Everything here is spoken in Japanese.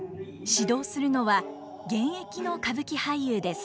指導するのは現役の歌舞伎俳優です。